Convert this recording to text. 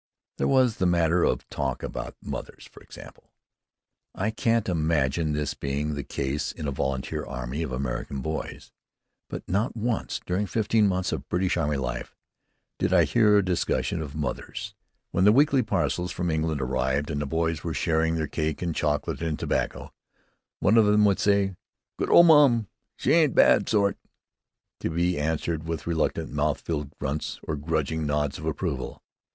There was the matter of talk about mothers, for example. I can't imagine this being the case in a volunteer army of American boys, but not once, during fifteen months of British army life, did I hear a discussion of mothers. When the weekly parcels from England arrived and the boys were sharing their cake and chocolate and tobacco, one of them would say, "Good old mum. She ain't a bad sort"; to be answered with reluctant, mouth filled grunts, or grudging nods of approval.